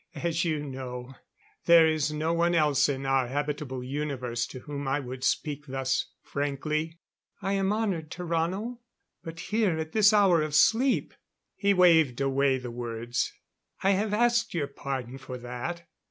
"As you know, there is no one else in our habitable universe to whom I would speak thus frankly." "I am honored, Tarrano. But here, at this hour of sleep " He waved away the words. "I have asked your pardon for that.